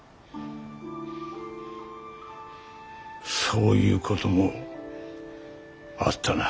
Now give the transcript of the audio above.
そういうこともあったな。